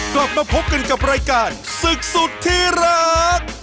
กลับมาพบกันกับรายการศึกสุดที่รัก